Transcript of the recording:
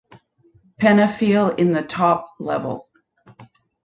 Penafiel in the top level.